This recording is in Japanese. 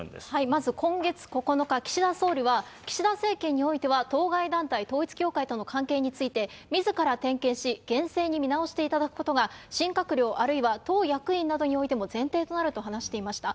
まず今月９日、岸田総理は、岸田政権においては、当該団体、統一教会との関係について、みずから点検し、厳正に見直していただくことが、新閣僚、あるいは党役員などにおいても前提になると話していました。